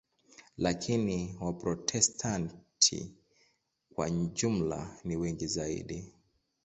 Lakini Waprotestanti kwa jumla ni wengi zaidi.